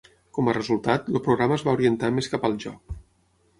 Com a resultat, el programa es va orientar més cap al joc.